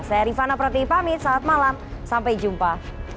saya rifana pratini pamit saat malam sampai jumpa